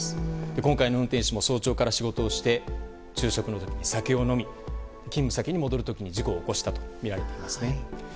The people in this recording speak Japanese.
今回の運転手も早朝から仕事をして昼食の時に酒を飲み勤務先に戻る時に事故を起こしたとみられています。